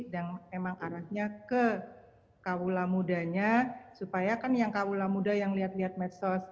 yang emang arahnya ke kaula mudanya supaya kan yang kaula muda yang lihat lihat medsos